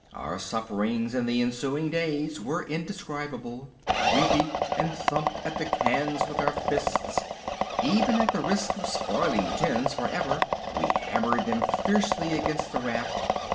Our sufferings in the ensuing days were indescribable. We beat and thumped at the cans with our fists. Even at the risk of spoiling the tins for ever we hammered them fiercely against the raft.